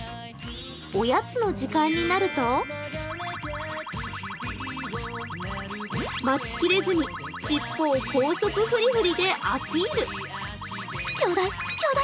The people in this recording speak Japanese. おやつの時間になると待ちきれずに、尻尾を高速ふりふりでアピール。